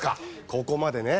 ここまでね。